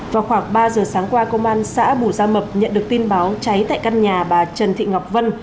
vào khoảng ba giờ sáng qua công an xã bù gia mập nhận được tin báo cháy tại căn nhà bà trần thị ngọc vân